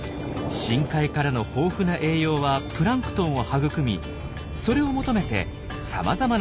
深海からの豊富な栄養はプランクトンを育みそれを求めてさまざ